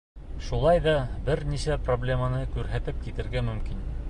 Шулай ҙа бер нисә проблеманы күрһәтеп китергә мөмкин.